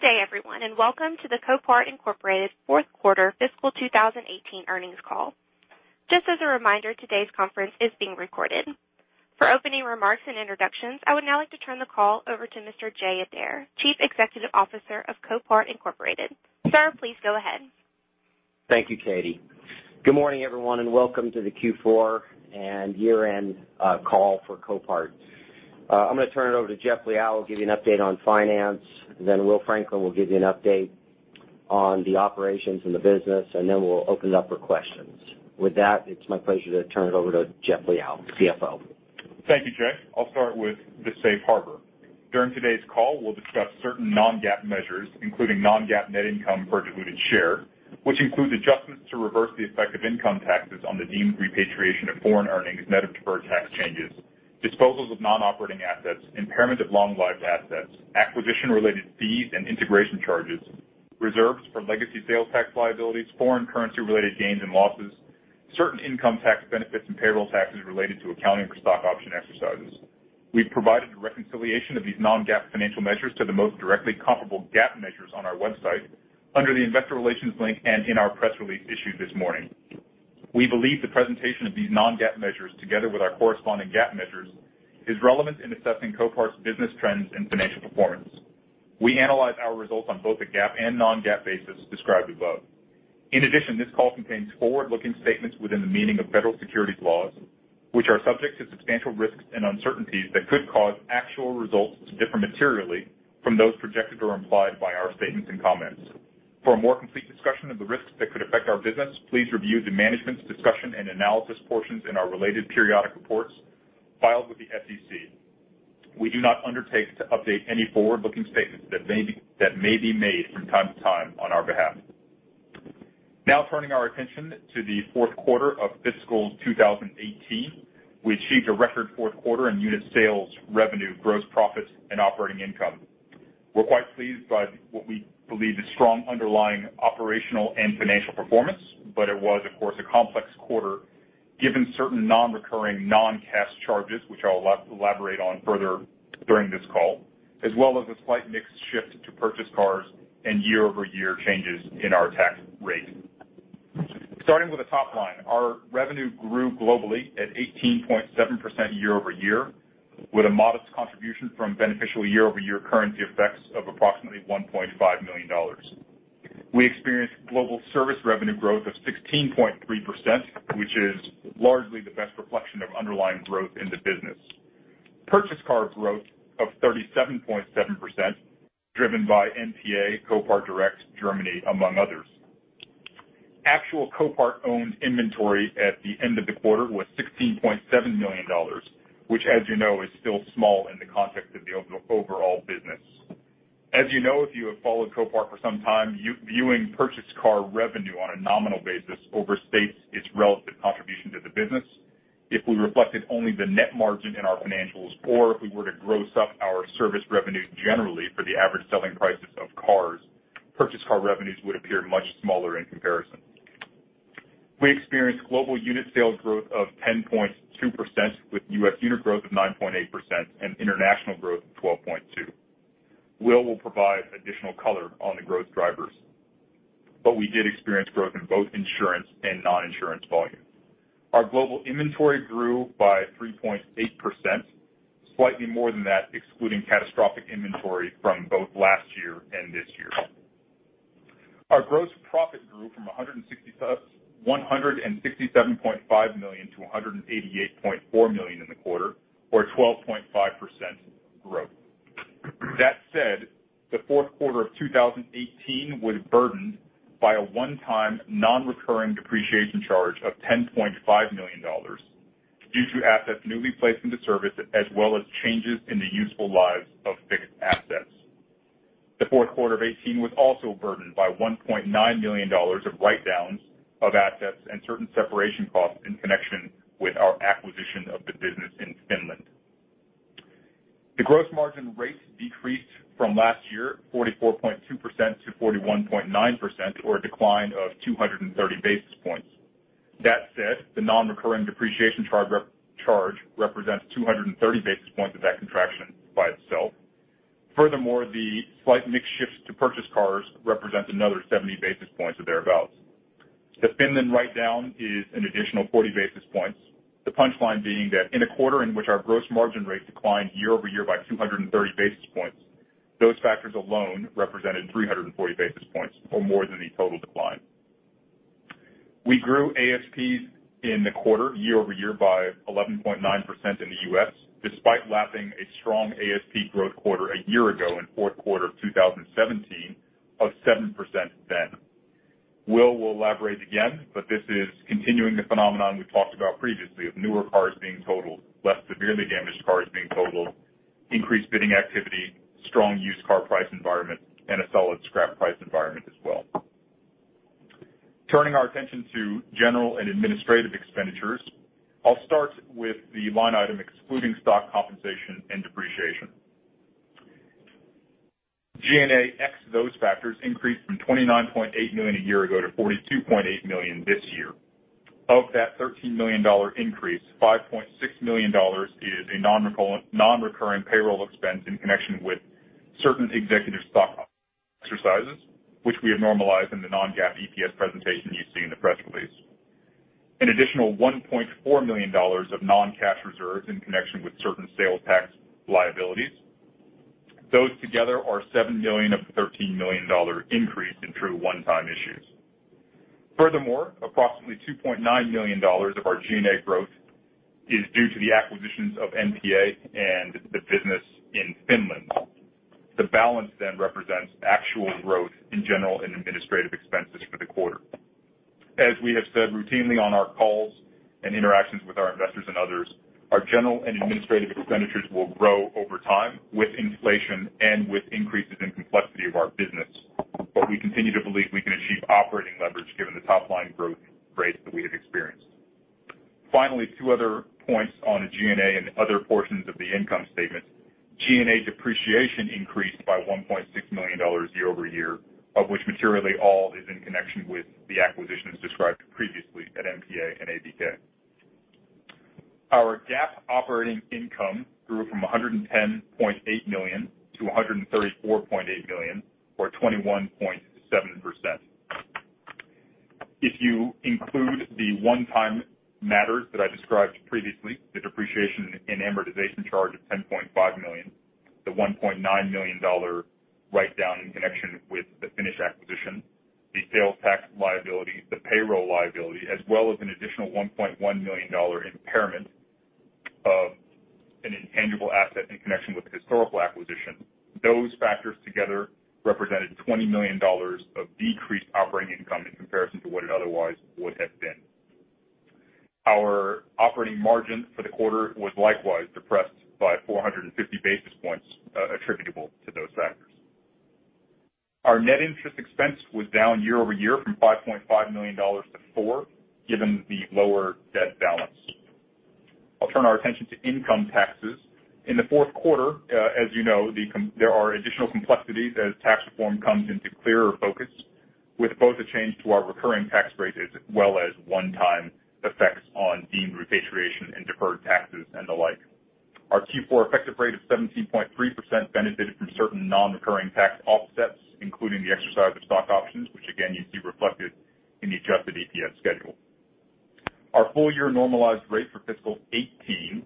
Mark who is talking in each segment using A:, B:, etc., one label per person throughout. A: Good day, everyone, and welcome to the Copart Incorporated fourth quarter fiscal 2018 earnings call. Just as a reminder, today's conference is being recorded. For opening remarks and introductions, I would now like to turn the call over to Mr. Jay Adair, Chief Executive Officer of Copart Incorporated. Sir, please go ahead.
B: Thank you, Katie. Good morning, everyone, and welcome to the Q4 and year-end call for Copart. I'm going to turn it over to Jeff Liaw, who'll give you an update on finance, and then Will Franklin will give you an update on the operations and the business, and then we'll open it up for questions. With that, it's my pleasure to turn it over to Jeff Liaw, CFO.
C: Thank you, Jay. I'll start with the safe harbor. During today's call, we'll discuss certain non-GAAP measures, including non-GAAP net income per diluted share, which includes adjustments to reverse the effect of income taxes on the deemed repatriation of foreign earnings, net of deferred tax changes, disposals of non-operating assets, impairment of long-lived assets, acquisition-related fees and integration charges, reserves for legacy sales tax liabilities, foreign currency-related gains and losses, certain income tax benefits, and payroll taxes related to accounting for stock option exercises. We've provided a reconciliation of these non-GAAP financial measures to the most directly comparable GAAP measures on our website under the Investor Relations link and in our press release issued this morning. We believe the presentation of these non-GAAP measures, together with our corresponding GAAP measures, is relevant in assessing Copart's business trends and financial performance. We analyze our results on both a GAAP and non-GAAP basis described above. In addition, this call contains forward-looking statements within the meaning of federal securities laws, which are subject to substantial risks and uncertainties that could cause actual results to differ materially from those projected or implied by our statements and comments. For a more complete discussion of the risks that could affect our business, please review the Management's Discussion and Analysis portions in our related periodic reports filed with the SEC. We do not undertake to update any forward-looking statements that may be made from time to time on our behalf. Now turning our attention to the fourth quarter of fiscal 2018, we achieved a record fourth quarter in unit sales, revenue, gross profits, and operating income. We're quite pleased by what we believe is strong underlying operational and financial performance, but it was, of course, a complex quarter given certain non-recurring, non-cash charges, which I'll elaborate on further during this call, as well as a slight mix shift to purchased cars and year-over-year changes in our tax rate. Starting with the top line, our revenue grew globally at 18.7% year-over-year, with a modest contribution from beneficial year-over-year currency effects of approximately $1.5 million. We experienced global service revenue growth of 16.3%, which is largely the best reflection of underlying growth in the business. Purchased car growth of 37.7%, driven by NPA, Copart Direct, Germany, among others. Actual Copart-owned inventory at the end of the quarter was $16.7 million, which, as you know, is still small in the context of the overall business. As you know, if you have followed Copart for some time, viewing purchased car revenue on a nominal basis overstates its relative contribution to the business. If we reflected only the net margin in our financials or if we were to gross up our service revenues generally for the average selling prices of cars, purchased car revenues would appear much smaller in comparison. We experienced global unit sales growth of 10.2%, with U.S. unit growth of 9.8% and international growth of 12.2%. Will will provide additional color on the growth drivers. We did experience growth in both insurance and non-insurance volumes. Our global inventory grew by 3.8%, slightly more than that excluding catastrophic inventory from both last year and this year. Our gross profit grew from $167.5 million to $188.4 million in the quarter or 12.5% growth. That said, the fourth quarter of 2018 was burdened by a one-time non-recurring depreciation charge of $10.5 million due to assets newly placed into service, as well as changes in the useful lives of fixed assets. The fourth quarter of 2018 was also burdened by $1.9 million of write-downs of assets and certain separation costs in connection with our acquisition of the business in Finland. The gross margin rate decreased from last year, 44.2% to 41.9%, or a decline of 230 basis points. That said, the non-recurring depreciation charge represents 230 basis points of that contraction by itself. Furthermore, the slight mix shifts to purchased cars represents another 70 basis points or thereabouts. The Finland write-down is an additional 40 basis points. The punchline being that in a quarter in which our gross margin rate declined year-over-year by 230 basis points, those factors alone represented 340 basis points or more than the total decline. We grew ASPs in the quarter year-over-year by 11.9% in the U.S., despite lapping a strong ASP growth quarter a year ago in fourth quarter of 2017 of 7% then. Will will elaborate again, but this is continuing the phenomenon we've talked about previously of newer cars being totaled, less severely damaged cars being totaled, increased bidding activity, strong used car price environment, and a solid scrap price environment as well. Turning our attention to general and administrative expenditures, I'll start with the line item excluding stock compensation and depreciation. G&A ex those factors increased from $29.8 million a year ago to $42.8 million this year. Of that $13 million increase, $5.6 million is a non-recurring payroll expense in connection with certain executive stock exercises, which we have normalized in the non-GAAP EPS presentation you see in the press release. An additional $1.4 million of non-cash reserves in connection with certain sales tax liabilities. Those together are $7 million of the $13 million increase in true one-time issues. Approximately $2.9 million of our G&A growth is due to the acquisitions of NPA and the business in Finland. The balance represents actual growth in general and administrative expenses for the quarter. As we have said routinely on our calls and interactions with our investors and others, our general and administrative expenditures will grow over time with inflation and with increases in complexity of our business. We continue to believe we can achieve operating leverage given the top-line growth rates that we have experienced. Finally, two other points on the G&A and other portions of the income statement. G&A depreciation increased by $1.6 million year-over-year, of which materially all is in connection with the acquisitions described previously at NPA and AVK. Our GAAP operating income grew from $110.8 million to $134.8 million, or 21.7%. If you include the one-time matters that I described previously, the depreciation and amortization charge of $10.5 million, the $1.9 million write-down in connection with the Finnish acquisition, the sales tax liability, the payroll liability, as well as an additional $1.1 million impairment of an intangible asset in connection with a historical acquisition. Those factors together represented $20 million of decreased operating income in comparison to what it otherwise would have been. Our operating margin for the quarter was likewise depressed by 450 basis points attributable to those factors. Our net interest expense was down year-over-year from $5.5 million to $4 million, given the lower debt balance. I'll turn our attention to income taxes. In the fourth quarter, as you know, there are additional complexities as tax reform comes into clearer focus, with both a change to our recurring tax rate, as well as one-time effects on deemed repatriation and deferred taxes and the like. Our Q4 effective rate of 17.3% benefited from certain non-recurring tax offsets, including the exercise of stock options, which again, you see reflected in the adjusted EPS schedule. Our full-year normalized rate for fiscal 2018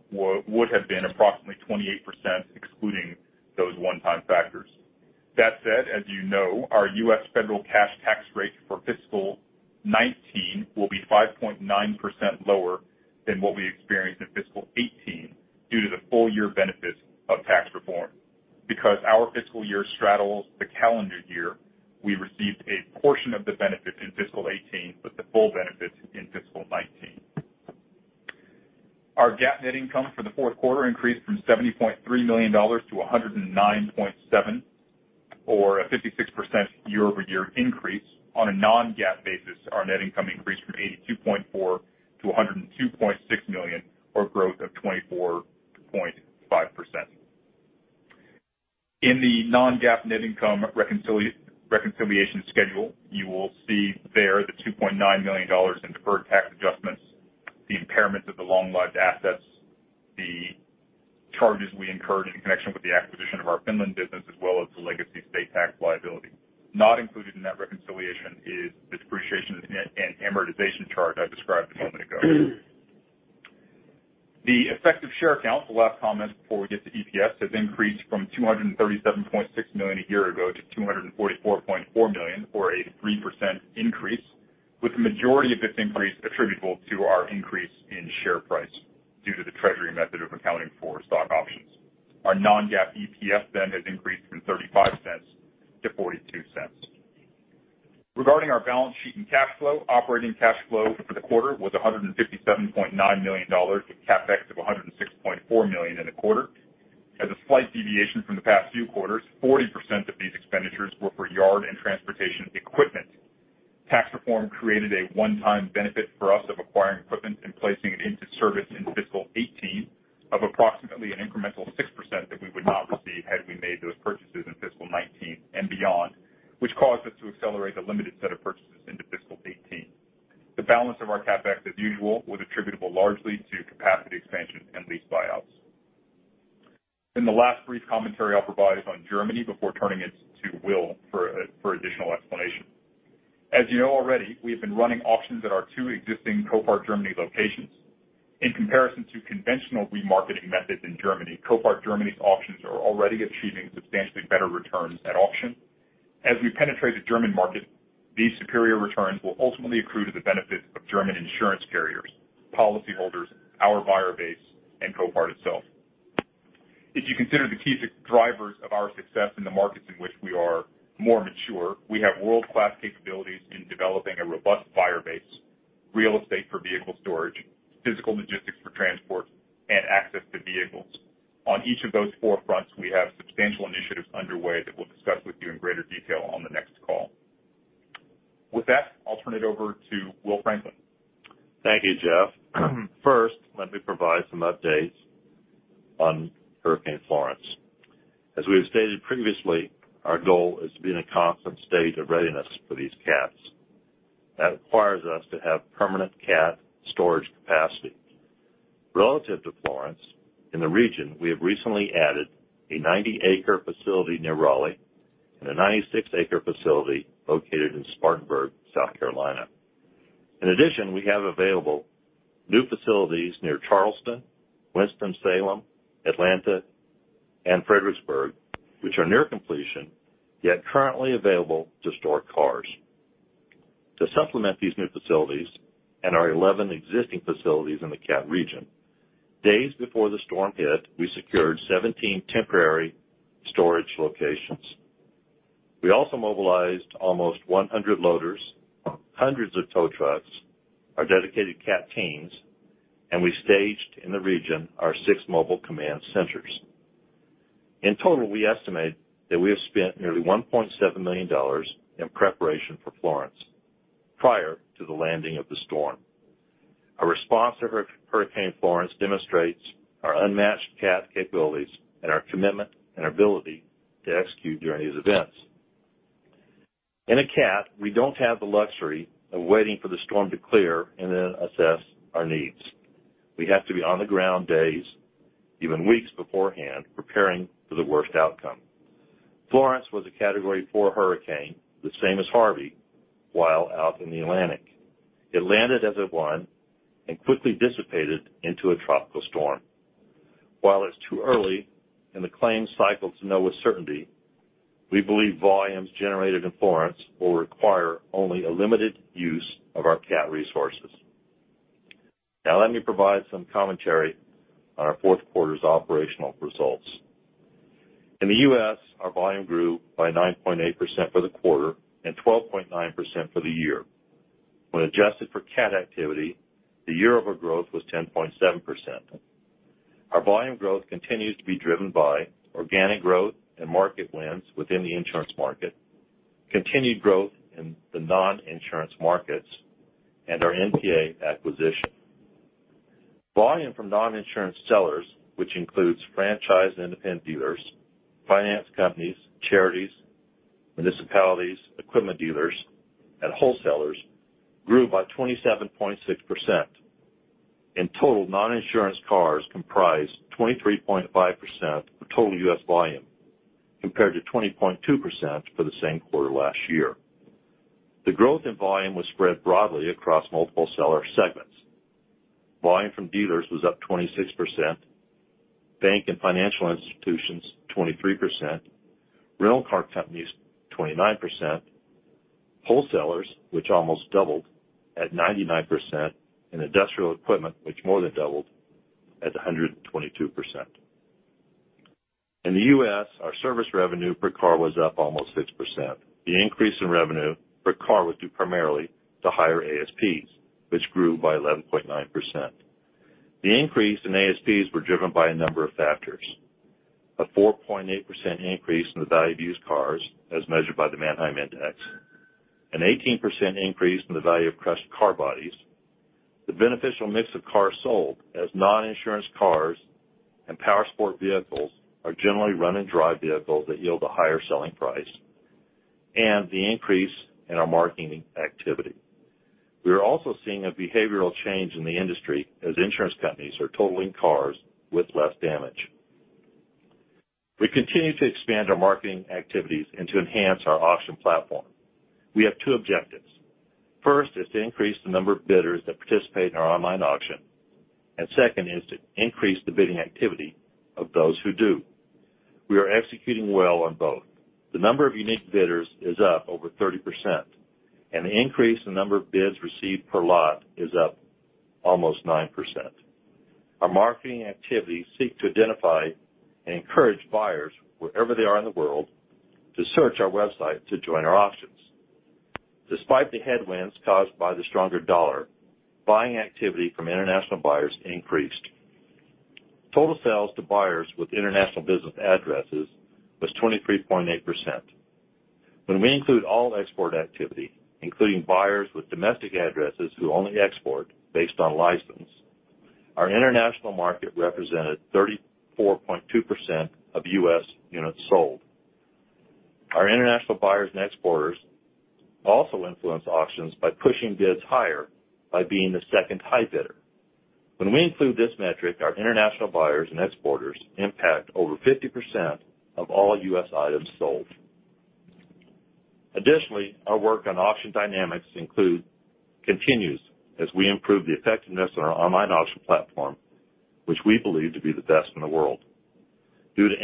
C: would have been approximately 28%, excluding those one-time factors. That said, as you know, our U.S. federal cash tax rate for fiscal 2019 will be 5.9% lower than what we experienced in fiscal 2018 due to the full-year benefits of tax reform. Because our fiscal year straddles the calendar year, we received a portion of the benefit in fiscal 2018, but the full benefit in fiscal 2019. Our GAAP net income for the fourth quarter increased from $70.3 million to $109.7 million, or a 56% year-over-year increase. On a non-GAAP basis, our net income increased from $82.4 million to $102.6 million, or growth of 24.5%. In the non-GAAP net income reconciliation schedule, you will see there the $2.9 million in deferred tax adjustments, the impairment of the long-lived assets, the charges we incurred in connection with the acquisition of our Finland If you consider the key drivers of our success in the markets in which we are more mature, we have world-class capabilities in developing a robust buyer base, real estate for vehicle storage, physical logistics for transport, and access to vehicles. On each of those four fronts, we have substantial initiatives underway that we'll discuss with you in greater detail on the next call. With that, I'll turn it over to Will Franklin.
D: Thank you, Jeff. First, let me provide some updates on Hurricane Florence. As we have stated previously, our goal is to be in a constant state of readiness for these CATs. That requires us to have permanent CAT storage capacity. Relative to Florence, in the region, we have recently added a 90-acre facility near Raleigh and a 96-acre facility located in Spartanburg, South Carolina. In addition, we have available new facilities near Charleston, Winston-Salem, Atlanta, and Fredericksburg, which are near completion, yet currently available to store cars. To supplement these new facilities and our 11 existing facilities in the CAT region, days before the storm hit, we secured 17 temporary storage locations. We also mobilized almost 100 loaders, hundreds of tow trucks, our dedicated CAT teams, and we staged in the region our six mobile command centers. In total, we estimate that we have spent nearly $1.7 million in preparation for Hurricane Florence prior to the landing of the storm. Our response to Hurricane Florence demonstrates our unmatched CAT capabilities and our commitment and ability to execute during these events. In a CAT, we don't have the luxury of waiting for the storm to clear and then assess our needs. We have to be on the ground days, even weeks beforehand, preparing for the worst outcome. Hurricane Florence was a Category 4 hurricane, the same as Hurricane Harvey, while out in the Atlantic. It landed as a 1 and quickly dissipated into a tropical storm. While it's too early in the claim cycle to know with certainty, we believe volumes generated in Hurricane Florence will require only a limited use of our CAT resources. Let me provide some commentary on our fourth quarter's operational results. In the U.S., our volume grew by 9.8% for the quarter and 12.9% for the year. When adjusted for CAT activity, the year-over-growth was 10.7%. Our volume growth continues to be driven by organic growth and market wins within the insurance market, continued growth in the non-insurance markets, and our NPA acquisition. Volume from non-insurance sellers, which includes franchise and independent dealers, finance companies, charities, municipalities, equipment dealers, and wholesalers grew by 27.6%. In total, non-insurance cars comprised 23.5% of total U.S. volume, compared to 20.2% for the same quarter last year. The growth in volume was spread broadly across multiple seller segments. Volume from dealers was up 26%, bank and financial institutions 23%, rental car companies 29%, wholesalers, which almost doubled at 99%, and industrial equipment, which more than doubled at 122%. In the U.S., our service revenue per car was up almost 6%. The increase in revenue per car was due primarily to higher ASPs, which grew by 11.9%. The increase in ASPs were driven by a number of factors. A 4.8% increase in the value of used cars as measured by the Manheim Index, an 18% increase in the value of crushed car bodies. The beneficial mix of cars sold as non-insurance cars and powersport vehicles are generally run-and-drive vehicles that yield a higher selling price, and the increase in our marketing activity. We are also seeing a behavioral change in the industry as insurance companies are totaling cars with less damage. We continue to expand our marketing activities and to enhance our auction platform. We have two objectives. First is to increase the number of bidders that participate in our online auction, and second is to increase the bidding activity of those who do. We are executing well on both. The number of unique bidders is up over 30%, and the increase in number of bids received per lot is up almost 9%. Our marketing activities seek to identify and encourage buyers wherever they are in the world to search our website to join our auctions. Despite the headwinds caused by the stronger dollar, buying activity from international buyers increased. Total sales to buyers with international business addresses was 23.8%. When we include all export activity, including buyers with domestic addresses who only export based on license, our international market represented 34.2% of U.S. units sold. Our international buyers and exporters also influence auctions by pushing bids higher by being the second high bidder. When we include this metric, our international buyers and exporters impact over 50% of all U.S. items sold. Additionally, our work on auction dynamics continues as we improve the effectiveness of our online auction platform, which we believe to be the best in the world. Due to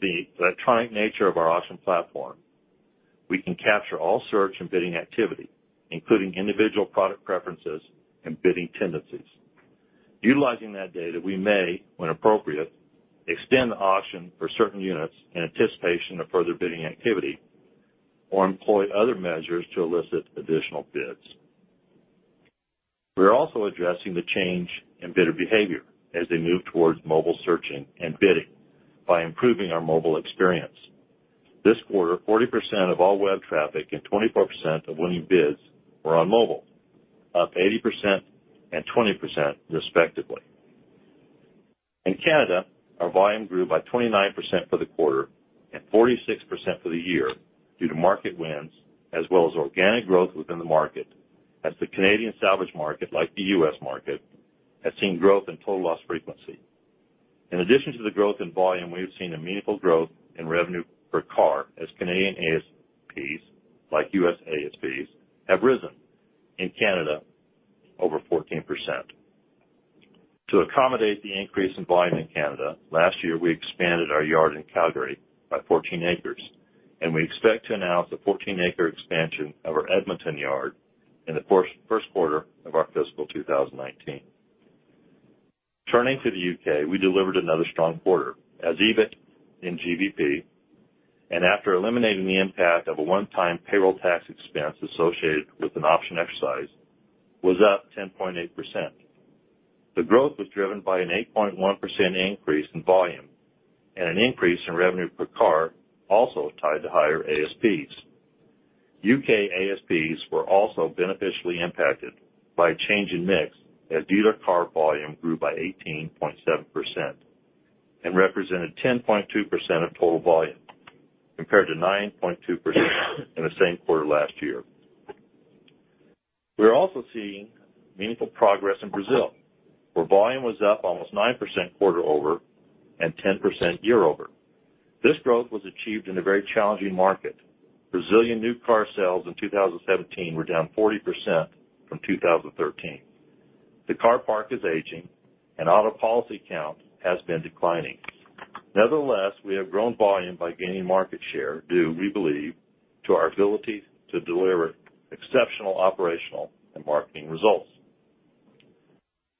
D: the electronic nature of our auction platform, we can capture all search and bidding activity, including individual product preferences and bidding tendencies. Utilizing that data, we may, when appropriate, extend the auction for certain units in anticipation of further bidding activity or employ other measures to elicit additional bids. We are also addressing the change in bidder behavior as they move towards mobile searching and bidding by improving our mobile experience. This quarter, 40% of all web traffic and 24% of winning bids were on mobile, up 80% and 20% respectively. In Canada, our volume grew by 29% for the quarter and 46% for the year due to market wins as well as organic growth within the market, as the Canadian salvage market, like the U.S. market, has seen growth in total loss frequency. In addition to the growth in volume, we have seen a meaningful growth in revenue per car as Canadian ASPs, like U.S. ASPs, have risen in Canada over 14%. To accommodate the increase in volume in Canada, last year we expanded our yard in Calgary by 14 acres, and we expect to announce a 14-acre expansion of our Edmonton yard in the first quarter of our fiscal 2019. Turning to the U.K., we delivered another strong quarter as EBIT in GBP and after eliminating the impact of a one-time payroll tax expense associated with an option exercise was up 10.8%. The growth was driven by an 8.1% increase in volume and an increase in revenue per car also tied to higher ASPs. U.K. ASPs were also beneficially impacted by a change in mix as dealer car volume grew by 18.7% and represented 10.2% of total volume compared to 9.2% in the same quarter last year. We are also seeing meaningful progress in Brazil, where volume was up almost 9% quarter over and 10% year over. This growth was achieved in a very challenging market. Brazilian new car sales in 2017 were down 40% from 2013. The car park is aging and auto policy count has been declining. Nevertheless, we have grown volume by gaining market share due, we believe, to our ability to deliver exceptional operational and marketing results.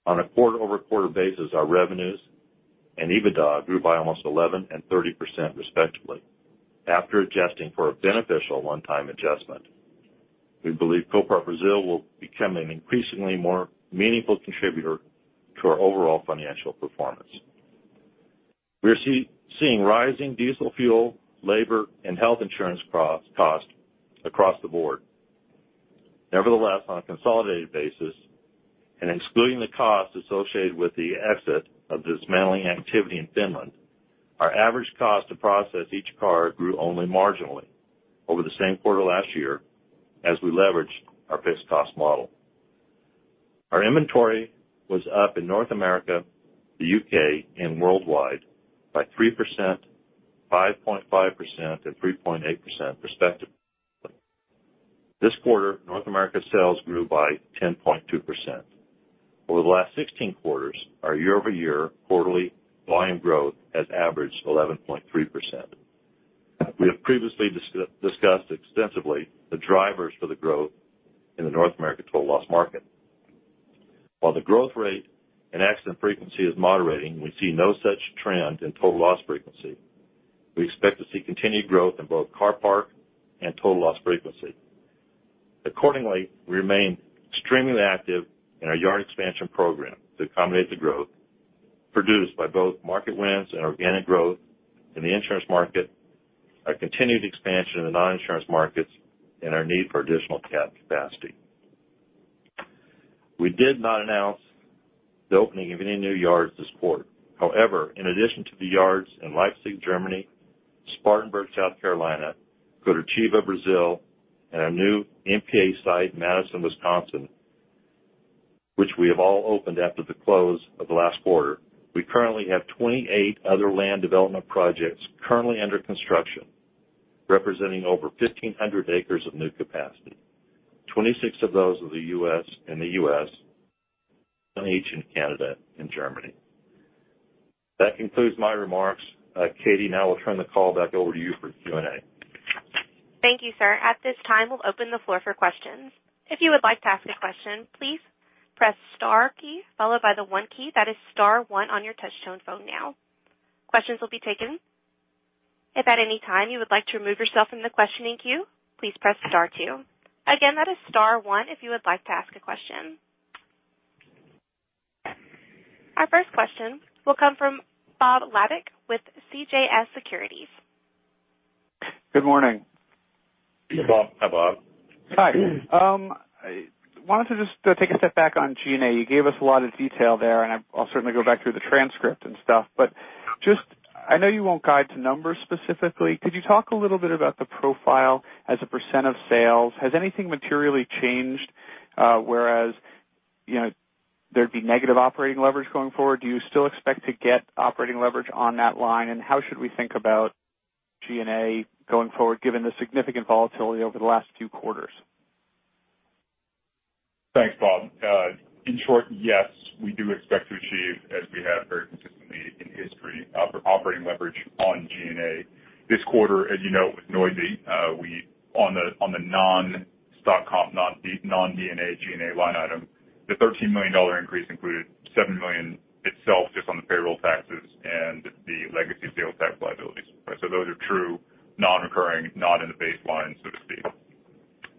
D: On a quarter-over-quarter basis, our revenues and EBITDA grew by almost 11% and 30% respectively after adjusting for a beneficial one-time adjustment. We believe Copart Brazil will become an increasingly more meaningful contributor to our overall financial performance. We are seeing rising diesel fuel, labor, and health insurance costs across the board. Nevertheless, on a consolidated basis and excluding the cost associated with the exit of dismantling activity in Finland, our average cost to process each car grew only marginally over the same quarter last year as we leveraged our fixed cost model. Our inventory was up in North America, the U.K., and worldwide by 3%, 5.5%, and 3.8% respectively. This quarter, North America sales grew by 10.2%. Over the last 16 quarters, our year-over-year quarterly volume growth has averaged 11.3%. We have previously discussed extensively the drivers for the growth in the North America total loss market. While the growth rate and accident frequency is moderating, we see no such trend in total loss frequency. We expect to see continued growth in both Copart and total loss frequency. Accordingly, we remain extremely active in our yard expansion program to accommodate the growth produced by both market wins and organic growth in the insurance market, our continued expansion in the non-insurance markets, and our need for additional capacity. We did not announce the opening of any new yards this quarter. However, in addition to the yards in Leipzig, Germany, Spartanburg, South Carolina, Curitiba, Brazil, and our new NPA site in Madison, Wisconsin, which we have all opened after the close of the last quarter. We currently have 28 other land development projects currently under construction, representing over 1,500 acres of new capacity. 26 of those are in the U.S., and each in Canada and Germany. That concludes my remarks. Katie, I'll turn the call back over to you for Q&A.
A: Thank you, sir. At this time, we'll open the floor for questions. If you would like to ask a question, please press star key followed by the one key. That is star one on your touch-tone phone now. Questions will be taken. If at any time you would like to remove yourself from the questioning queue, please press star two. Again, that is star one if you would like to ask a question. Our first question will come from Bob Labick with CJS Securities.
E: Good morning.
D: Hey, Bob.
C: Hi, Bob.
E: Hi. I wanted to just take a step back on G&A. You gave us a lot of detail there, and I'll certainly go back through the transcript and stuff, but I know you won't guide to numbers specifically. Could you talk a little bit about the profile as a percent of sales? Has anything materially changed, whereas there'd be negative operating leverage going forward? Do you still expect to get operating leverage on that line? How should we think about G&A going forward given the significant volatility over the last two quarters?
C: Thanks, Bob. In short, yes, we do expect to achieve as we have very consistently in history, operating leverage on G&A. This quarter, as you know, it was noisy. On the non-stock comp, non-D&A G&A line item, the $13 million increase included $7 million itself just on the payroll taxes and the legacy sales tax liabilities. Those are true non-recurring, not in the baseline so to speak.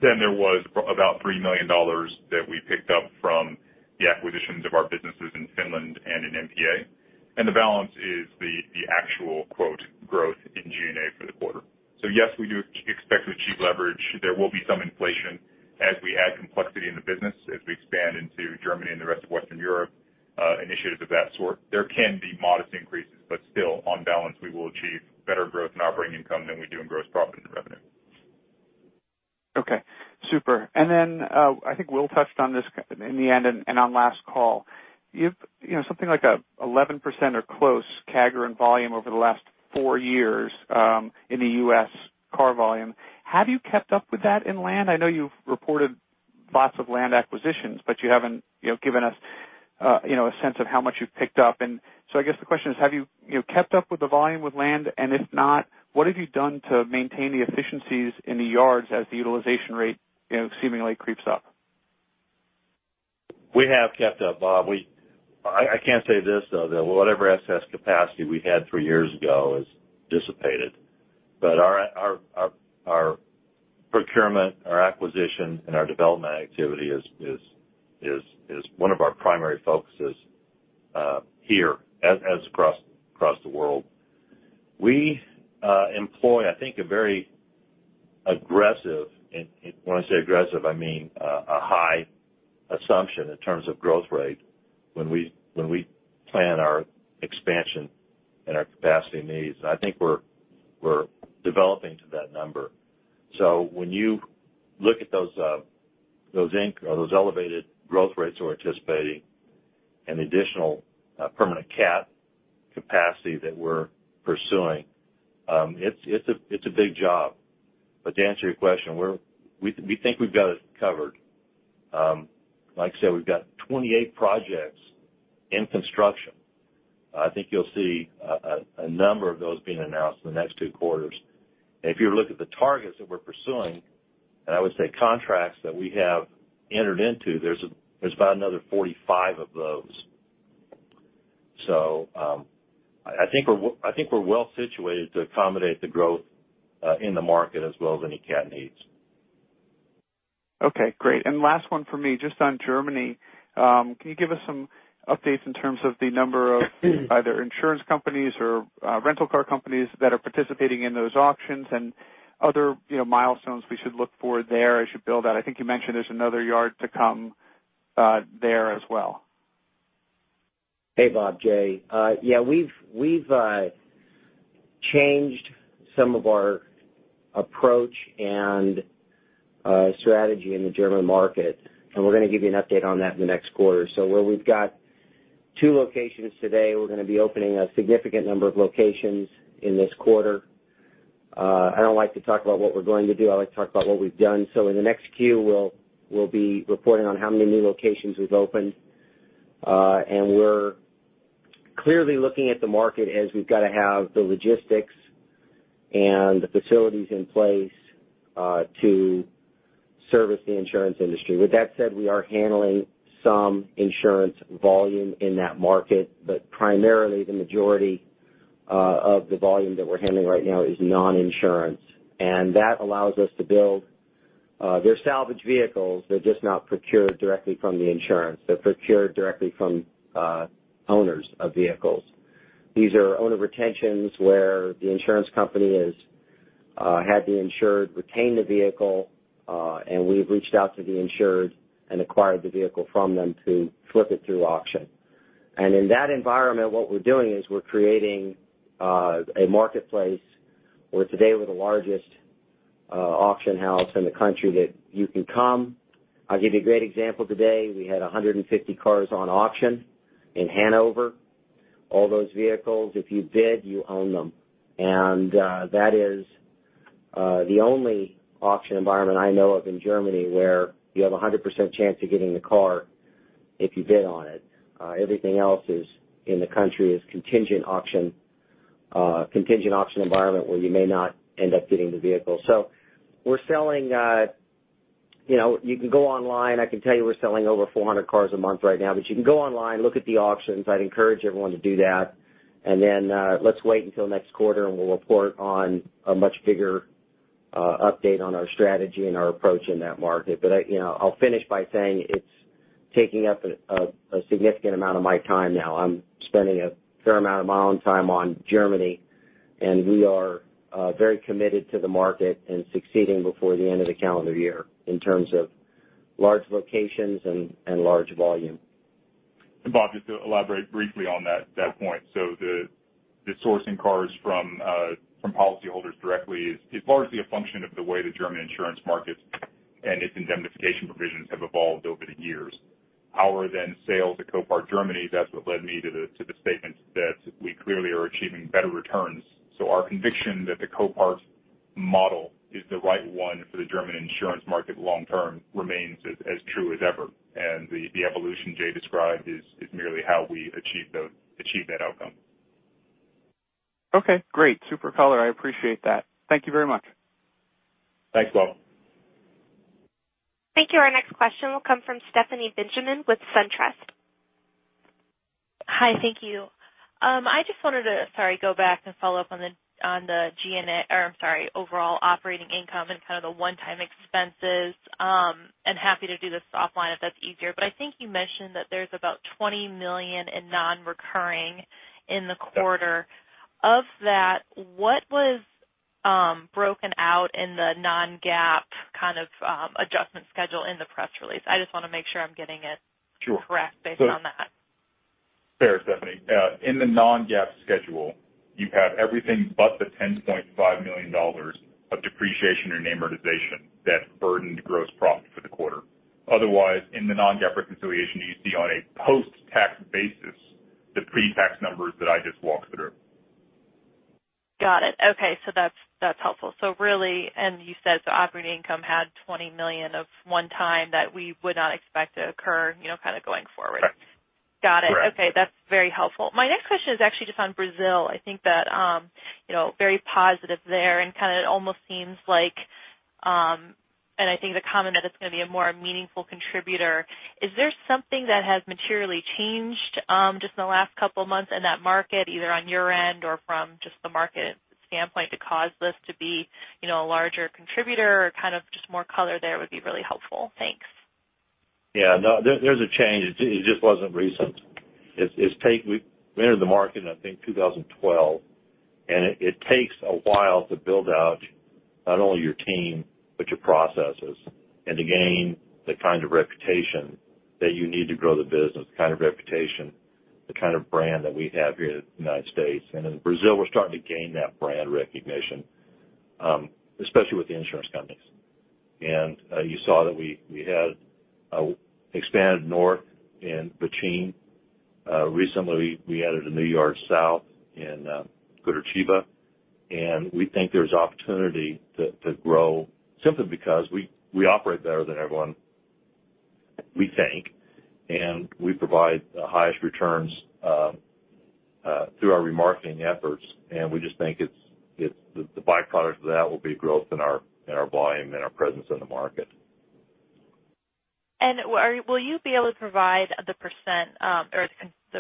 C: Then there was about $3 million that we picked up from the [inaudible] and an NPA. The balance is the actual quote growth in G&A for the quarter. Yes, we do expect to achieve leverage. There will be some inflation as we add complexity in the business, as we expand into Germany and the rest of Western Europe, initiatives of that sort. There can be modest increases, still, on balance, we will achieve better growth in operating income than we do in gross profit and revenue.
E: Okay. Super. Then, I think Will touched on this in the end and on last call. You have something like an 11% or close CAGR in volume over the last four years in the U.S. car volume. Have you kept up with that in land? I know you've reported lots of land acquisitions, but you haven't given us a sense of how much you've picked up. So I guess the question is, have you kept up with the volume with land? If not, what have you done to maintain the efficiencies in the yards as the utilization rate seemingly creeps up?
D: We have kept up, Bob. I can say this, though, that whatever excess capacity we had three years ago has dissipated. Our procurement, our acquisition, and our development activity is one of our primary focuses here, as across the world. We employ, I think, a very aggressive, and when I say aggressive, I mean a high assumption in terms of growth rate when we plan our expansion and our capacity needs. I think we're developing to that number. When you look at those elevated growth rates we're anticipating and the additional permanent CAT capacity that we're pursuing, it's a big job. To answer your question, we think we've got it covered. Like I said, we've got 28 projects in construction. I think you'll see a number of those being announced in the next two quarters. If you look at the targets that we're pursuing, and I would say contracts that we have entered into, there's about another 45 of those. I think we're well-situated to accommodate the growth in the market as well as any CAT needs.
E: Okay, great. Last one from me, just on Germany. Can you give us some updates in terms of the number of either insurance companies or rental car companies that are participating in those auctions and other milestones we should look for there as you build out? I think you mentioned there's another yard to come there as well.
B: Hey, Bob. Jay. Yeah, we've changed some of our approach and strategy in the German market, we're going to give you an update on that in the next quarter. Where we've got two locations today, we're going to be opening a significant number of locations in this quarter. I don't like to talk about what we're going to do. I like to talk about what we've done. In the next Q, we'll be reporting on how many new locations we've opened. We're clearly looking at the market as we've got to have the logistics and the facilities in place to service the insurance industry. With that said, we are handling some insurance volume in that market, but primarily the majority of the volume that we're handling right now is non-insurance. That allows us to build. They're salvaged vehicles, they're just not procured directly from the insurance. They're procured directly from owners of vehicles. These are owner retentions where the insurance company has had the insured retain the vehicle, we've reached out to the insured and acquired the vehicle from them to flip it through auction. In that environment, what we're doing is we're creating a marketplace where today we're the largest auction house in the country that you can come. I'll give you a great example today. We had 150 cars on auction in Hannover. All those vehicles, if you bid, you own them. That is the only auction environment I know of in Germany where you have 100% chance of getting the car if you bid on it. Everything else is in the country is contingent auction environment where you may not end up getting the vehicle. You can go online. I can tell you we're selling over 400 cars a month right now, you can go online, look at the auctions. I'd encourage everyone to do that. Then let's wait until next quarter we'll report on a much bigger update on our strategy and our approach in that market. I'll finish by saying it's taking up a significant amount of my time now. I'm spending a fair amount of my own time on Germany, we are very committed to the market and succeeding before the end of the calendar year in terms of large locations and large volume.
C: Bob, just to elaborate briefly on that point. The sourcing cars from policyholders directly is largely a function of the way the German insurance market and its indemnification provisions have evolved over the years. Our then sales at Copart Germany, that's what led me to the statement that we clearly are achieving better returns. Our conviction that the Copart model is the right one for the German insurance market long term remains as true as ever, and the evolution Jay described is merely how we achieve that outcome.
E: Okay, great. Super color. I appreciate that. Thank you very much.
C: Thanks, Bob.
A: Thank you. Our next question will come from Stephanie Benjamin with SunTrust.
F: Hi. Thank you. I just wanted to go back and follow up on the overall operating income and the one-time expenses. Happy to do this offline if that's easier, but I think you mentioned that there's about $20 million in non-recurring in the quarter.
C: Yes.
F: Of that, what was broken out in the non-GAAP kind of adjustment schedule in the press release? I just want to make sure I'm getting it-
C: Sure
F: correct based on that.
C: Fair, Stephanie. In the non-GAAP schedule, you have everything but the $10.5 million of depreciation and amortization that burdened gross profit for the quarter. Otherwise, in the non-GAAP reconciliation, you see on a post-tax basis, the pre-tax numbers that I just walked through.
F: Got it. Okay. That's helpful. You said the operating income had $20 million of one-time that we would not expect to occur going forward.
C: Correct.
F: Got it.
C: Correct.
F: Okay. That's very helpful. My next question is actually just on Brazil. I think that very positive there and it almost seems like, and I think the comment that it's going to be a more meaningful contributor. Is there something that has materially changed just in the last couple of months in that market, either on your end or from just the market standpoint to cause this to be a larger contributor or kind of just more color there would be really helpful. Thanks.
D: No, there's a change. It just wasn't recent. We entered the market in, I think, 2012. It takes a while to build out not only your team, but your processes, and to gain the kind of reputation that you need to grow the business, the kind of reputation, the kind of brand that we have here in the U.S. In Brazil, we're starting to gain that brand recognition, especially with the insurance companies. You saw that we had expanded north in Betim. Recently, we added a new yard south in Curitiba. We think there's opportunity to grow simply because we operate better than everyone, we think, and we provide the highest returns through our remarketing efforts. We just think the by-product of that will be growth in our volume and our presence in the market.
F: Will you be able to provide the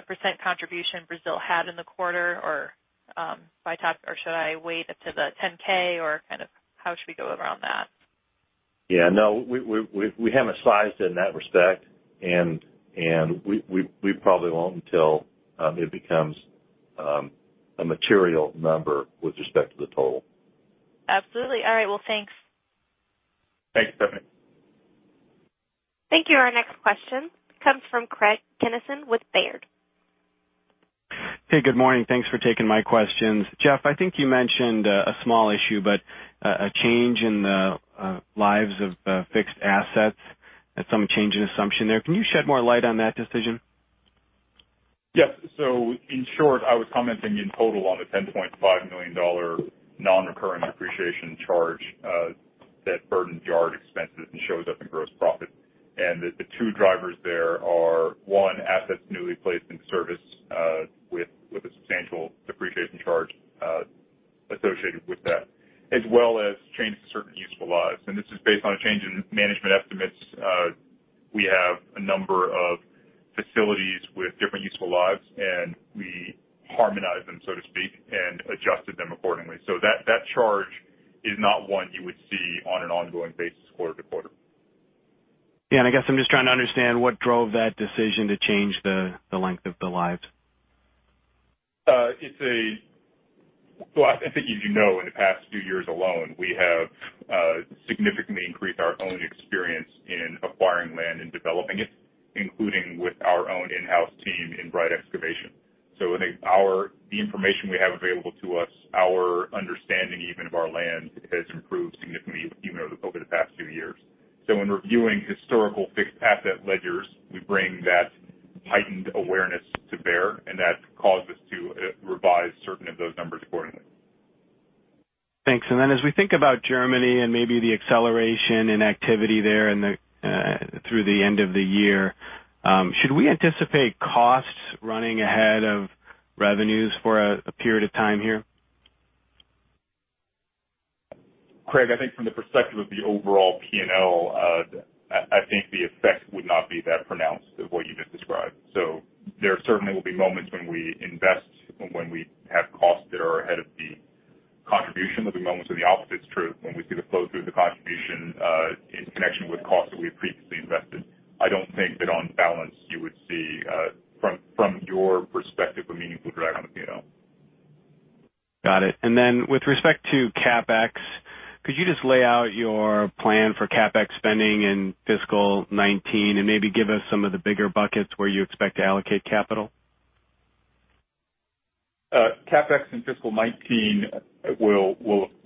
F: % contribution Brazil had in the quarter or should I wait up to the 10-K or how should we go around that?
D: Yeah, no, we haven't sized in that respect, and we probably won't until it becomes a material number with respect to the total.
F: Absolutely. All right. Well, thanks.
D: Thanks, Stephanie.
A: Thank you. Our next question comes from Craig Kennison with Baird.
G: Hey, good morning. Thanks for taking my questions. Jeff, I think you mentioned a small issue, a change in the lives of fixed assets and some change in assumption there. Can you shed more light on that decision?
C: Yes. In short, I was commenting in total on the $10.5 million non-recurring depreciation charge that burdened yard expenses and shows up in gross profit. The two drivers there are, one, assets newly placed in service with a substantial depreciation charge associated with that, as well as changes to certain useful lives. This is based on a change in management estimates. We have a number of facilities with different useful lives, and we harmonize them, so to speak, and adjusted them accordingly. That charge is not one you would see on an ongoing basis quarter to quarter.
G: Yeah, I guess I'm just trying to understand what drove that decision to change the length of the lives.
C: I think as you know, in the past few years alone, we have significantly increased our own experience in acquiring land and developing it, including with our own in-house team in Bright Excavation. I think the information we have available to us, our understanding even of our land, has improved significantly over the past few years. When reviewing historical fixed asset ledgers, we bring that heightened awareness to bear, and that's caused us to revise certain of those numbers accordingly.
G: Thanks. As we think about Germany and maybe the acceleration in activity there through the end of the year, should we anticipate costs running ahead of revenues for a period of time here?
C: Craig, I think from the perspective of the overall P&L, I think the effect would not be that pronounced of what you just described. There certainly will be moments when we invest and when we have costs that are ahead of the contribution. There'll be moments when the opposite is true, when we see the flow through of the contribution in connection with costs that we have previously invested. I don't think that on balance you would see, from your perspective, a meaningful drag on the P&L.
G: Got it. With respect to CapEx, could you just lay out your plan for CapEx spending in fiscal 2019 and maybe give us some of the bigger buckets where you expect to allocate capital?
C: CapEx in fiscal 2019 will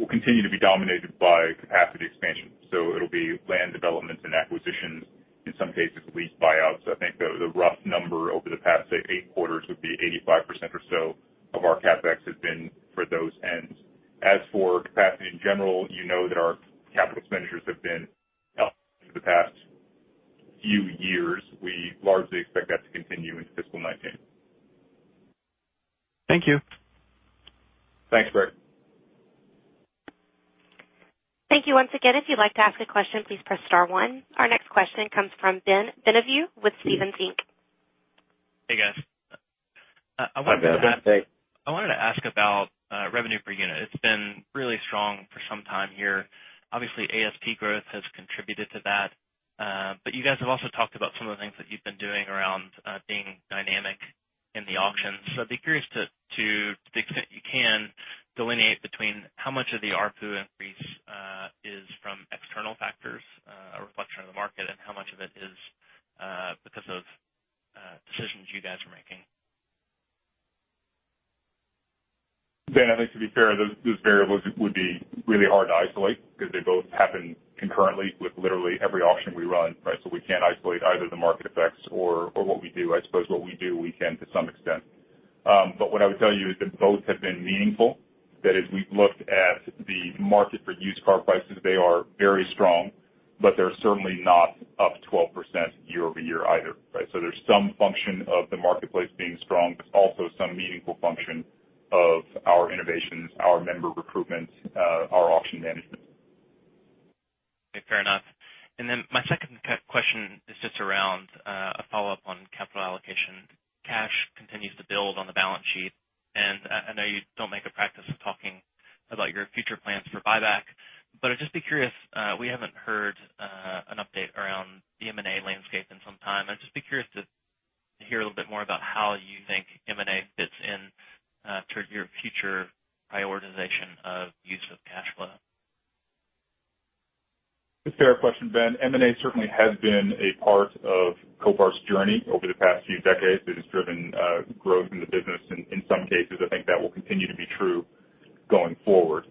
C: continue to be dominated by capacity expansion. It'll be land development and acquisitions, in some cases lease buyouts. I think the rough number over the past, say, eight quarters would be 85% or so of our CapEx has been for those ends. As for capacity in general, you know that our capital expenditures have been up through the past few years. We largely expect that to continue into fiscal 2019.
G: Thank you.
C: Thanks, Craig.
A: Thank you once again. If you'd like to ask a question, please press star one. Our next question comes from Ben Bienvenu with Stephens Inc.
H: Hey, guys.
C: Hi, Ben.
D: Hey.
H: I wanted to ask about revenue per unit. It's been really strong for some time here. Obviously, ASP growth has contributed to that. You guys have also talked about some of the things that you've been doing around being dynamic in the auctions. I'd be curious, to the extent you can, delineate between how much of the ARPU increase is from external factors, a reflection of the market, and how much of it is because of decisions you guys are making.
C: Ben, I think to be fair, those variables would be really hard to isolate because they both happen concurrently with literally every auction we run, right? We can't isolate either the market effects or what we do. I suppose what we do, we can to some extent. What I would tell you is that both have been meaningful, that as we've looked at the market for used car prices, they are very strong, but they're certainly not up 12% year-over-year either, right? There's some function of the marketplace being strong, but also some meaningful function of our innovations, our member recruitment, our auction management.
H: Okay, fair enough. My second question is just around a follow-up on capital allocation. Cash continues to build on the balance sheet, and I know you don't make a practice of talking about your future plans for buyback, but I'd just be curious. We haven't heard an update around the M&A landscape in some time. I'd just be curious to hear a little bit more about how you think M&A fits in to your future prioritization of use of cash flow.
C: It's a fair question, Ben. M&A certainly has been a part of Copart's journey over the past few decades. It has driven growth in the business in some cases. I think that will continue to be true going forward.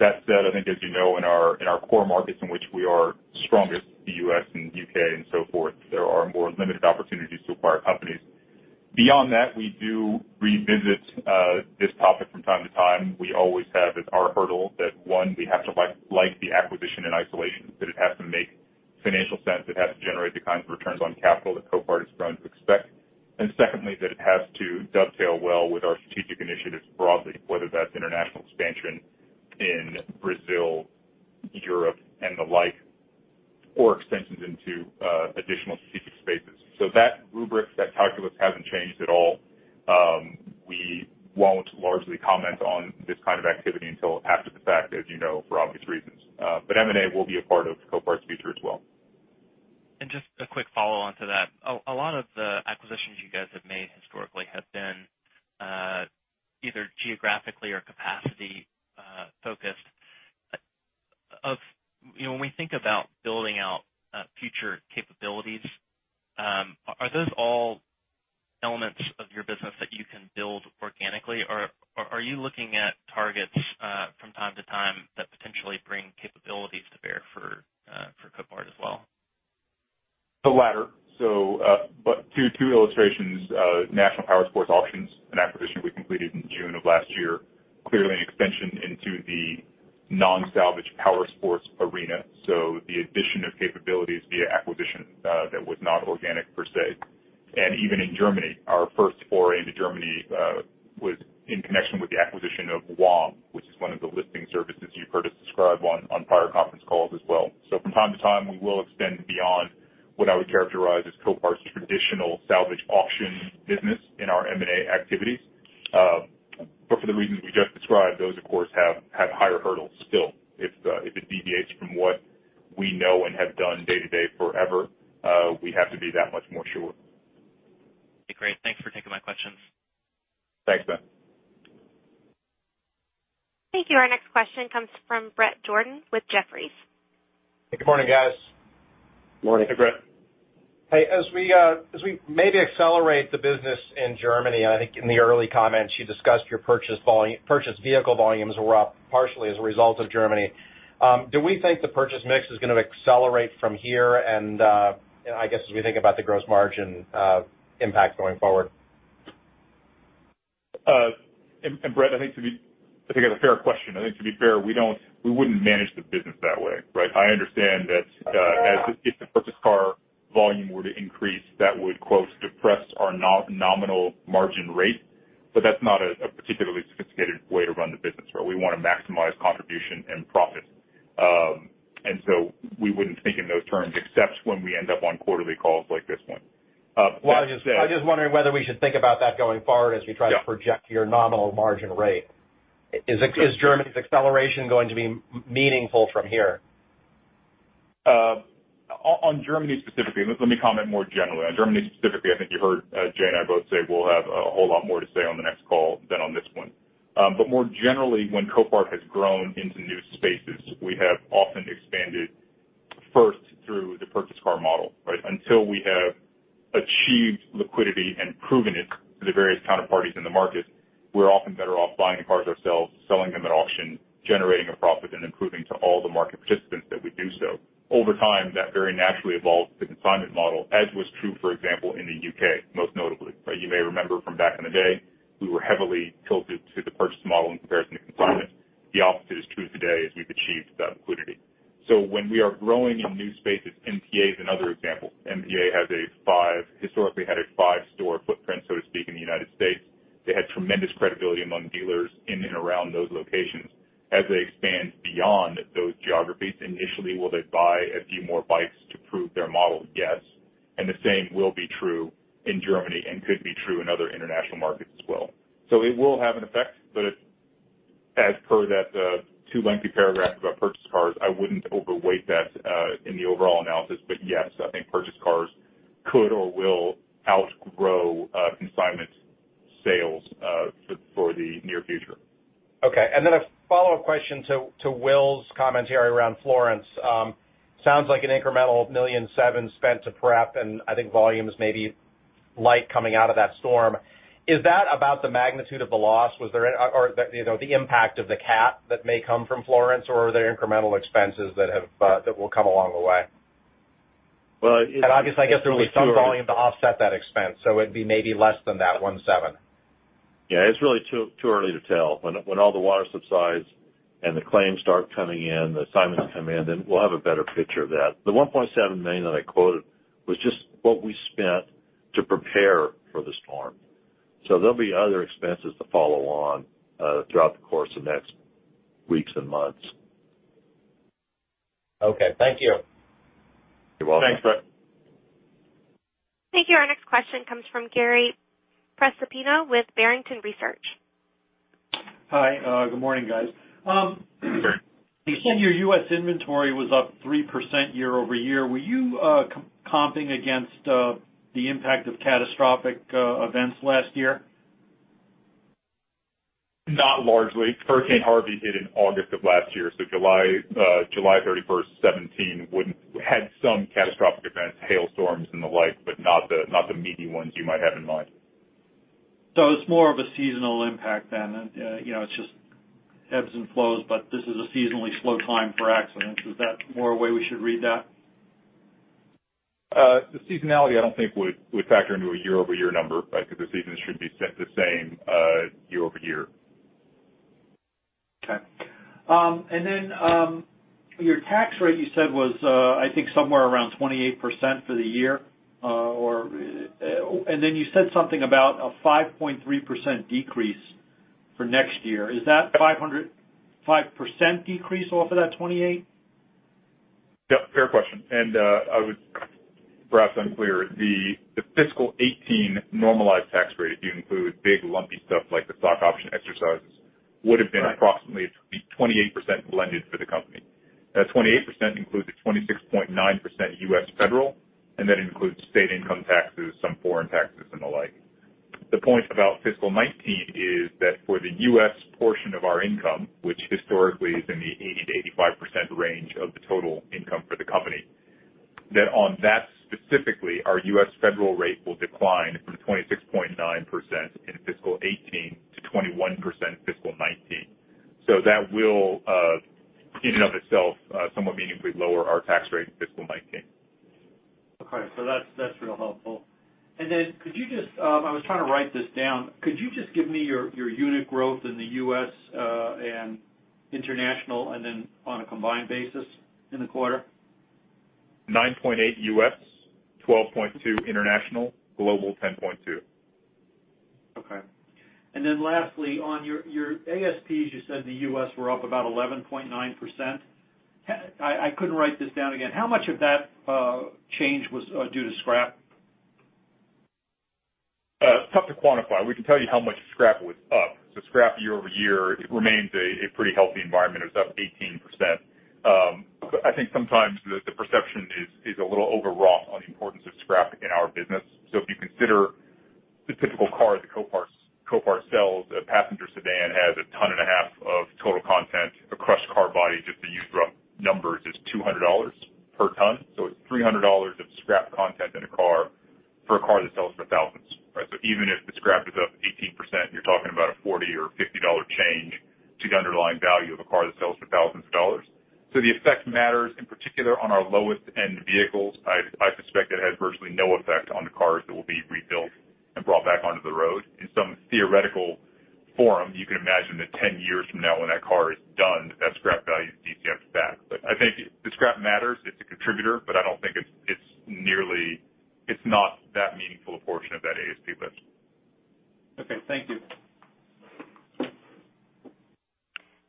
C: That said, I think as you know, in our core markets in which we are strongest, the U.S. and U.K. and so forth, there are more limited opportunities to acquire companies. Beyond that, we do revisit this topic from time to time. We always have as our hurdle that, one, we have to like the acquisition in isolation, that it has to make financial sense, it has to generate the kinds of returns on capital that Copart has grown to expect. Secondly, that it has to dovetail well with our strategic initiatives broadly, whether that's international expansion in Brazil, Europe, and the like, or extensions into additional strategic spaces. That rubric, that calculus hasn't changed at all. We won't largely comment on this kind of activity until after the fact, as you know, for obvious reasons. M&A will be a part of Copart's future as well.
H: Just a quick follow-on to that. A lot of the acquisitions you guys have made historically have been either geographically or capacity-focused. When we think about building out future capabilities, are those all elements of your business that you can build organically, or are you looking at targets from time to time that potentially bring capabilities to bear for Copart as well?
C: The latter. Two illustrations. National Powersport Auctions, an acquisition we completed in June of last year, clearly an extension into the non-salvage powersports arena. The addition of capabilities via acquisition that was not organic per se. Even in Germany, our first foray into Germany was in connection with the acquisition of WOM, which is one of the listing services you've heard us describe on prior conference calls as well. From time to time, we will extend beyond what I would characterize as Copart's traditional salvage auction business in our M&A activities. For the reasons we just described, those, of course, have higher hurdles still. If it deviates from what we know and have done day to day forever, we have to be that much more sure.
H: Okay, great. Thanks for taking my questions.
C: Thanks, Ben.
A: Thank you. Our next question comes from Bret Jordan with Jefferies.
I: Good morning, guys.
C: Morning.
H: Hey, Bret.
I: Hey, as we maybe accelerate the business in Germany, and I think in the early comments you discussed your purchase vehicle volumes were up partially as a result of Germany, do we think the purchase mix is going to accelerate from here and I guess as we think about the gross margin impact going forward?
C: Bret, I think that's a fair question. I think, to be fair, we wouldn't manage the business that way, right? I understand that if the purchase car volume were to increase, that would, quote, "depress our nominal margin rate," but that's not a particularly sophisticated way to run the business, right? We want to maximize contribution and profit. We wouldn't think in those terms except when we end up on quarterly calls like this one.
I: I'm just wondering whether we should think about that going forward as we try to project your nominal margin rate. Is Germany's acceleration going to be meaningful from here?
C: On Germany specifically, let me comment more generally. On Germany specifically, I think you heard Jay and I both say we'll have a whole lot more to say on the next call than on this one. More generally, when Copart has grown into new spaces, we have often expanded first through the purchase car model, right? Until we have achieved liquidity and proven it to the various counterparties in the market, we're often better off buying the cars ourselves, selling them at auction, generating a profit, and then proving to all the market participants that we do so. Over time, that very naturally evolved to the consignment model, as was true, for example, in the U.K., most notably. You may remember from back in the day, we were heavily tilted to the purchase model in comparison to consignment. The opposite is true today as we've achieved that liquidity. When we are growing in new spaces, NPA is another example. NPA historically had a five-store footprint, so to speak, in the United States. They had tremendous credibility among dealers in and around those locations. As they expand beyond those geographies, initially, will they buy a few more bikes to prove their model? Yes. The same will be true in Germany and could be true in other international markets as well. It will have an effect, but as per that too lengthy paragraph about purchased cars, I wouldn't overweight that in the overall analysis. Yes, I think purchased cars could or will outgrow consignment sales for the near future.
I: Okay, a follow-up question to Will's commentary around Florence. Sounds like an incremental $1.7 million spent to prep, and I think volumes may be light coming out of that storm. Is that about the magnitude of the loss? The impact of the CapEx that may come from Florence, or are there incremental expenses that will come along the way?
D: Well-
I: Obviously, I guess there will be some volume to offset that expense, so it'd be maybe less than that $1.7.
D: It's really too early to tell. When all the water subsides and the claims start coming in, the assignments come in, then we'll have a better picture of that. The $1.7 million that I quoted was just what we spent to prepare for the storm. There'll be other expenses to follow on throughout the course of the next weeks and months.
I: Okay. Thank you.
D: You're welcome.
C: Thanks, Bret.
A: Thank you. Our next question comes from Gary Prestopino with Barrington Research.
J: Hi. Good morning, guys. You said your U.S. inventory was up 3% year-over-year. Were you comping against the impact of catastrophic events last year?
C: Not largely. Hurricane Harvey hit in August of last year, July 31st 2017 had some catastrophic events, hailstorms, and the like, but not the meaty ones you might have in mind.
J: It's more of a seasonal impact then. It's just ebbs and flows, but this is a seasonally slow time for accidents. Is that more a way we should read that?
C: The seasonality, I don't think would factor into a year-over-year number, because the seasons should be the same year-over-year.
J: Okay. Your tax rate you said was, I think, somewhere around 28% for the year. You said something about a 5.3% decrease for next year. Is that 5% decrease off of that 28%?
C: Yeah. Fair question. I was perhaps unclear. The fiscal 2018 normalized tax rate, if you include big lumpy stuff like the stock option exercises, would have been approximately 28% blended for the company. That 28% includes the 26.9% U.S. federal, and that includes state income taxes, some foreign taxes, and the like. The point about fiscal 2019 is that for the U.S. portion of our income, which historically is in the 80%-85% range of the total income for the company, that on that specifically, our U.S. federal rate will decline from 26.9% in fiscal 2018 to 21% in fiscal 2019. That will, in and of itself, somewhat meaningfully lower our tax rate in fiscal 2019.
J: That's real helpful. I was trying to write this down. Could you just give me your unit growth in the U.S. and international, and then on a combined basis in the quarter?
C: 9.8 U.S., 12.2 international, global 10.2.
J: Okay. Lastly, on your ASPs, you said the U.S. were up about 11.9%. I couldn't write this down again. How much of that change was due to scrap?
C: Tough to quantify. We can tell you how much scrap was up. Scrap year-over-year remains a pretty healthy environment. It was up 18%. I think sometimes the perception is a little overwrought on the importance of scrap in our business. If you consider the typical car that Copart sells, a passenger sedan, has a ton and a half of total content. A crushed car body, just to use rough numbers, is $200 per ton. It's $300 of scrap content in a car for a car that sells for thousands, right? Even if the scrap is up 18%, you're talking about a $40 or $50 change to the underlying value of a car that sells for thousands of dollars. The effect matters in particular on our lowest-end vehicles. I suspect it has virtually no effect on the cars that will be rebuilt and brought back onto the road. In some theoretical forum, you can imagine that 10 years from now, when that car is done, that scrap value DCFs back. I think the scrap matters. It's a contributor, but I don't think it's not that meaningful a portion of that ASP lift.
J: Okay. Thank you.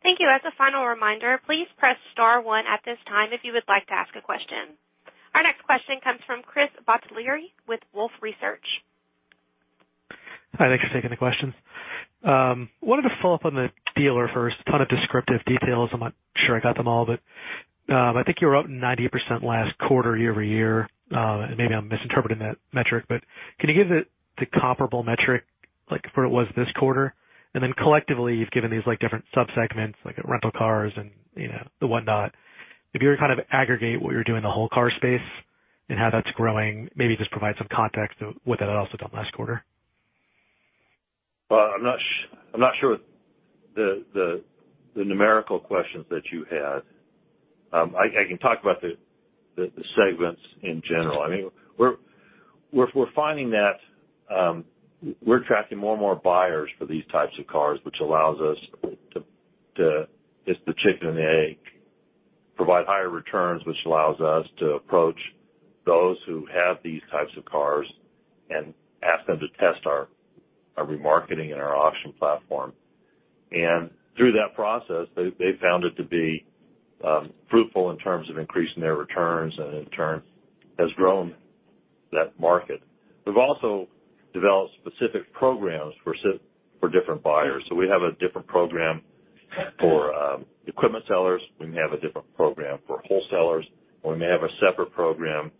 A: Thank you. As a final reminder, please press star one at this time if you would like to ask a question. Our next question comes from Chris Bottiglieri with Wolfe Research.
K: Hi, thanks for taking the questions. Wanted to follow up on the dealer first. Ton of descriptive details. I'm not sure I got them all, I think you were up 98% last quarter, year-over-year. Maybe I'm misinterpreting that metric, but can you give the comparable metric, like for what it was this quarter? And then collectively, you've given these different sub-segments, like rental cars and the whatnot. If you were to aggregate what you're doing in the whole car space and how that's growing, maybe just provide some context of what that also done last quarter.
D: Well, I'm not sure the numerical questions that you had. I can talk about the segments in general. I mean, We're finding that we're attracting more and more buyers for these types of cars, which allows us to, it's the chicken and the egg, provide higher returns, which allows us to approach those who have these types of cars and ask them to test our remarketing and our auction platform. Through that process, they've found it to be fruitful in terms of increasing their returns, and in turn, has grown that market. We've also developed specific programs for different buyers. We have a different program for equipment sellers. We may have a different program for wholesalers, We may have a separate program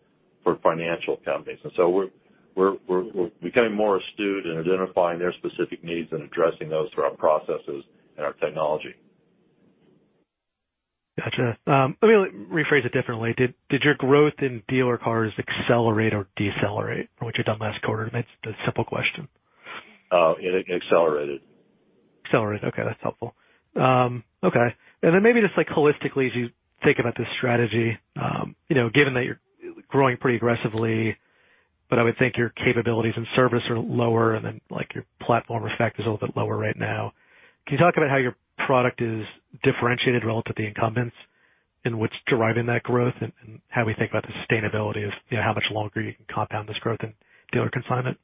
D: for financial companies. We're becoming more astute in identifying their specific needs and addressing those through our processes and our technology.
K: Got you. Let me rephrase it differently. Did your growth in dealer cars accelerate or decelerate from what you've done last quarter? That's the simple question.
D: It accelerated.
K: Accelerated. Okay, that's helpful. Okay. Maybe just holistically, as you think about this strategy, given that you're growing pretty aggressively, but I would think your capabilities and service are lower, and then your platform effect is a little bit lower right now. Can you talk about how your product is differentiated relative to the incumbents and what's driving that growth and how we think about the sustainability of how much longer you can compound this growth in dealer consignment?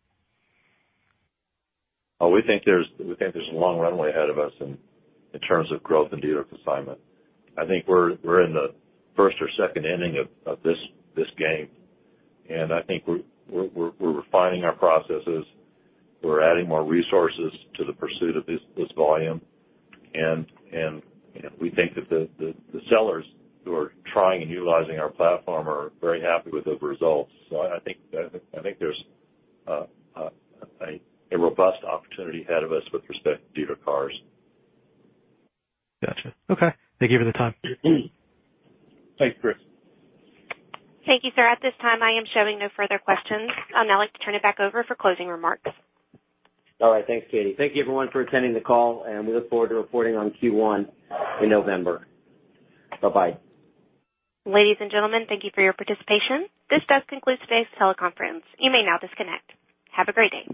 D: We think there's a long runway ahead of us in terms of growth in dealer consignment. I think we're in the first or second inning of this game, and I think we're refining our processes. We're adding more resources to the pursuit of this volume, and we think that the sellers who are trying and utilizing our platform are very happy with those results. I think there's a robust opportunity ahead of us with respect to dealer cars.
K: Got you. Okay. Thank you for the time.
D: Thanks, Chris.
A: Thank you, sir. At this time, I am showing no further questions. I'd now like to turn it back over for closing remarks.
D: All right. Thanks, Katie. Thank you everyone for attending the call. We look forward to reporting on Q1 in November. Bye-bye.
A: Ladies and gentlemen, thank you for your participation. This does conclude today's teleconference. You may now disconnect. Have a great day.